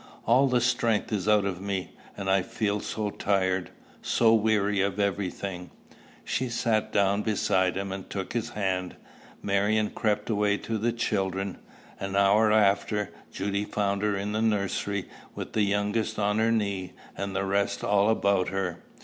All the strength is out of me; and I feel so tired, so weary of every thing!" She sat down beside him, and took his hand. Marion crept away to the children. An hour after, Judy found her in the nursery, with the youngest on her knee, and the rest all about her.